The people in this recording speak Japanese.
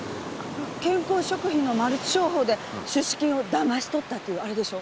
健康食品のマルチ商法で出資金をだまし取ったっていうあれでしょ？